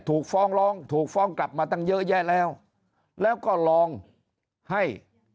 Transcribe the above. ถูกฟ้องร้องถูกฟ้องกลับมาตั้งเยอะแยะแล้วแล้วก็ลองให้